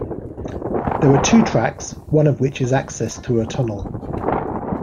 There are two tracks, one of which is accessed through a tunnel.